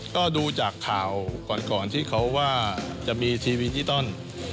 ก็ดูจากข่าวก่อนที่เขาว่าจะมีทีวีดิจิตอล